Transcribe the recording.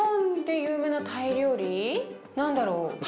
何だろう？